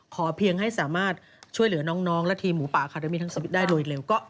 เพียงให้สามารถช่วยเหลือน้องและทีมหมูป่าอาคาเดมี่ทั้งชีวิตได้โดยเร็ว